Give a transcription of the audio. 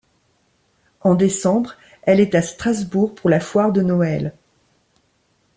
En décembre, elle est à Strasbourg pour la foire de Noël.